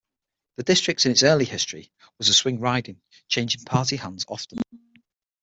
The district in its early history was a swing riding changing party hands often.